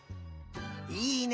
いいね！